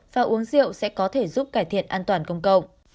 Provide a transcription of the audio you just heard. và uống rượu sẽ có thể giúp cải thiện an toàn công cộng